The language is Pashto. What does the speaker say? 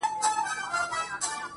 • سیاه پوسي ده، رنگونه نسته.